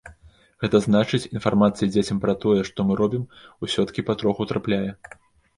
Гэта значыць, інфармацыя дзецям пра тое, што мы робім усё-ткі патроху трапляе.